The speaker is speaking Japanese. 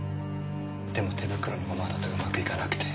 でも手袋のままだとうまくいかなくて。